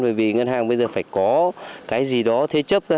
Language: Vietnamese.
bởi vì ngân hàng bây giờ phải có cái gì đó thế chấp